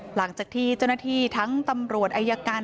หลังจากที่เจ้าหน้าที่ทั้งตำรวจอายการ